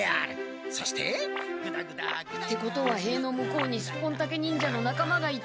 そしてぐだぐだ。ってことはへいの向こうにスッポンタケ忍者のなかまがいて。